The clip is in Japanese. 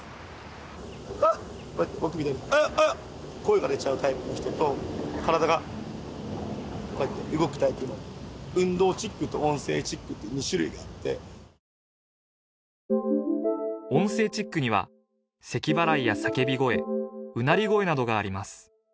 こうやって僕みたいにあっあっ声が出ちゃうタイプの人と体がこうやって動くタイプの運動チックと音声チックっていう２種類があって音声チックにはせき払いや叫び声うなり声などがあります